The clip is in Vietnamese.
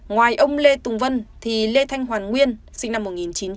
ngoài ông lê tùng vân thì lê thanh hoàn nguyên sinh năm một nghìn chín trăm tám mươi